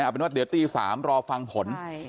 เอาเป็นว่าเดี๋ยวตี๓รอฟังผล